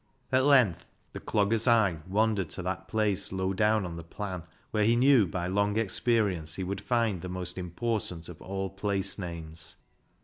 At length the dogger's eye wandered to that place low down on the plan where he knew by long experience he would find the most im portant of all place names.